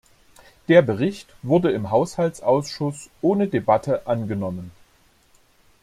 Der Bericht wurde im Haushaltsausschuss ohne Debatte angenommen.